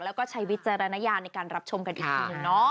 แล้วก็ใช้วิจารณญาในการรับชมกันอีกที